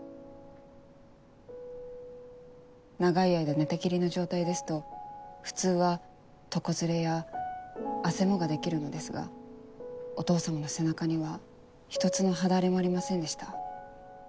長い間寝たきりの状態ですと普通は床擦れやあせもが出来るのですがお義父様の背中には一つの肌荒れもありませんでした。